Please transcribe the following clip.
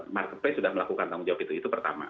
marketplace sudah melakukan tanggung jawab itu itu pertama